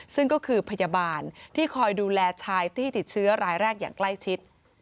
ซึ่งก็คือพยาบาลที่คอยดูแลชายที่ติดเชื้อรายแรกอย่างใกล้ชิด